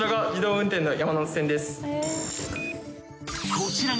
［こちらが］